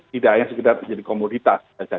tidak hanya sekedar menjadi komoditas